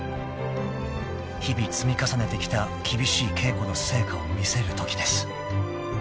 ［日々積み重ねてきた厳しい稽古の成果を見せるときです］